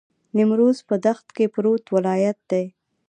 نیمروز په دښت کې پروت ولایت دی.